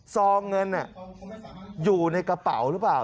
ซองเงินอยู่ในกระเป๋าหรือเปล่า